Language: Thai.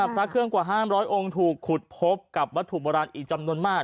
พระเครื่องกว่า๕๐๐องค์ถูกขุดพบกับวัตถุโบราณอีกจำนวนมาก